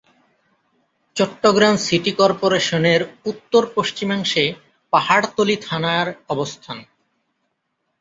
Chittagong city কর্পোরেশনের উত্তর-পশ্চিমাংশে পাহাড়তলী থানার অবস্থান।